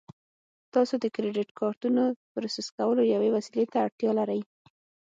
تاسو د کریډیټ کارتونو پروسس کولو یوې وسیلې ته اړتیا لرئ